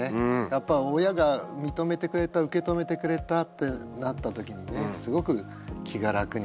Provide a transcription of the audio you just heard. やっぱ親が認めてくれた受け止めてくれたってなった時にねすごく気が楽になってね。